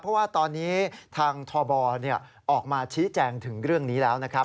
เพราะว่าตอนนี้ทางทบออกมาชี้แจงถึงเรื่องนี้แล้วนะครับ